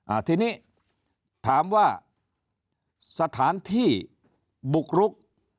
อ่าทีนี้ถามว่าสถานที่บุกรุก